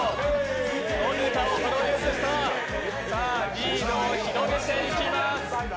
リードを広げていきます。